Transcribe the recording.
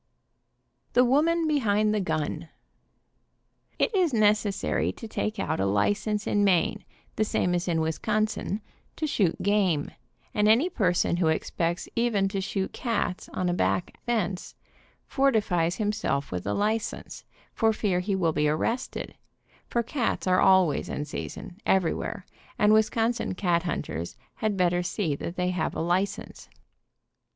THE WOMAN BEHIND THE GUN. It is necessary to take out a license in Maine, the same as in Wisconsin, to shoot game, and any per son who expects even to shoot cats on a back fence, fortifies himself with a license, for fear he will be ar rested, for cats are always in season, everywhere, and Wisconsin cat hunters had better see that they have a license.